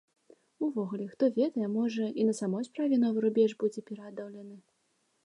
Увогуле, хто ведае, можа, і на самай справе новы рубеж будзе пераадолены.